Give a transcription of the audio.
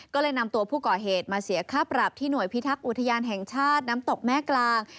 ก็เลยนำตัวผู้ก่อเหตุมาเสียค่าปรับที่หน่วยพิทักษ์อุทยานแห่งชาติน้ำตกแม่กลาง